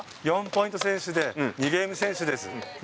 ４ポイント先取で２ゲームです。